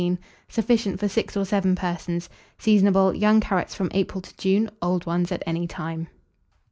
Sufficient for 6 or 7 persons. Seasonable. Young carrots from April to June, old ones at any time.